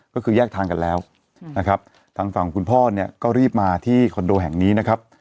ก็คือแยกทางกันแล้วนะครับทางฝั่งคุณพ่อเนี่ยก็รีบมาที่คอนโดแห่งนี้นะครับ